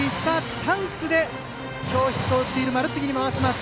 チャンスで今日ヒットを打っている丸次に回します。